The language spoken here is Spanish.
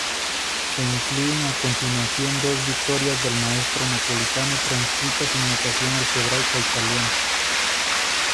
Se incluyen a continuación dos victorias del maestro napolitano transcritas en notación algebraica italiana.